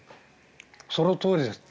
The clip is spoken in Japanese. そのとおりです。